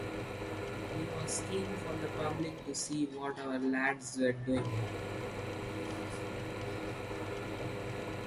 He was keen for the public to see what our lads were doing.